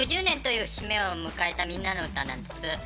６０年という節目を迎えた「みんなのうた」なんです。